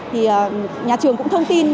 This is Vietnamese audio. thì nhà trường cũng thông tin